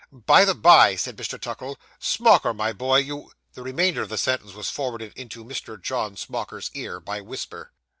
'By the bye,' said Mr. Tuckle, 'Smauker, my boy, you ' The remainder of the sentence was forwarded into Mr. John Smauker's ear, by whisper.